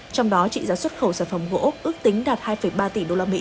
trong đó trị giá xuất khẩu sản phẩm gỗ ước tính đạt hai ba tỷ usd